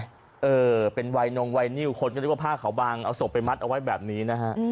เออเป็นวัยนงวัยนิวคนก็นึกว่าผ้าขาวบางเอาศพไปมัดเอาไว้แบบนี้นะฮะ